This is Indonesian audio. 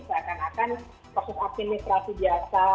seakan akan proses administrasi biasa